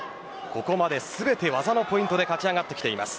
ここまで全て技のポイントで勝ち上がってきています。